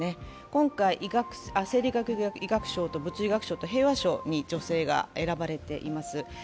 今回、生理学・医学賞と、物理学賞と、平和賞に女性が選ばれています。